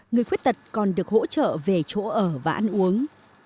người khuyết tật còn được hỗ trợ về chỗ ở và ăn uống